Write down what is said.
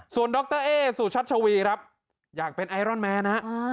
ส่วนดรเอ๊สุชัชวีครับอยากเป็นไอรอนแมนฮะ